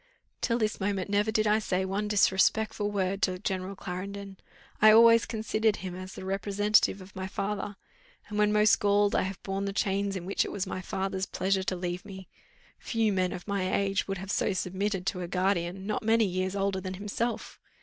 "Till this moment never did I say one disrespectful word to General Clarendon. I always considered him as the representative of my father; and when most galled I have borne the chains in which it was my father's pleasure to leave me. Few men of my age would have so submitted to a guardian not many years older than himself."